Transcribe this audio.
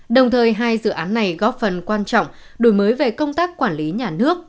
đồng thời hai dự án này góp phần quan trọng đổi mới về công tác quản lý nhà nước